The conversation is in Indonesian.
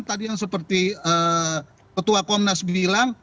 tadi yang seperti ketua komnas bilang